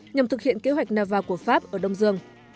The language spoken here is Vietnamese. nhằm thực hiện kế hoạch nava của pháp ở đông dương